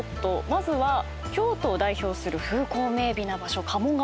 まずは京都を代表する風光明媚な場所。